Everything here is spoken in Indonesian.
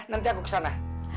nanti aku kesana